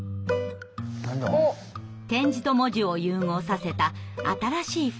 点字と文字を融合させた新しいフォントです。